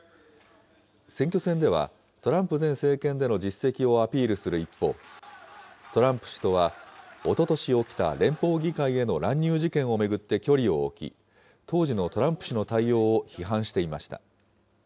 選挙戦では、トランプ前政権での実績をアピールする一方、トランプ氏とはおととし起きた連邦議会への乱入事件を巡って距離を置き、当時のトランプ氏の対応を批判していました。